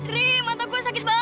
ri mata gue sakit banget